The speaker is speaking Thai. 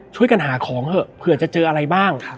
ช่วยกันหาของเถอะเผื่อจะเจออะไรบ้าง